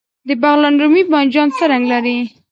د بغلان رومي بانجان څه رنګ لري؟